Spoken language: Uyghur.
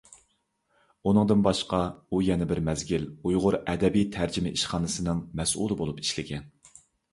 ئۇنىڭدىن باشقا، ئۇ يەنە بىر مەزگىل ئۇيغۇر ئەدەبىي تەرجىمە ئىشخانىسىنىڭ مەسئۇلى بولۇپ ئىشلىگەن.